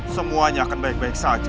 semuanya akan baik baik saja